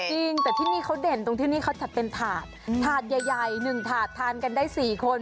จริงแต่ที่นี่เขาเด่นตรงที่นี่เขาจัดเป็นถาดถาดใหญ่๑ถาดทานกันได้๔คน